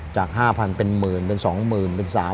จาก๕๐๐เป็นหมื่นเป็น๒๐๐๐เป็น๓๐๐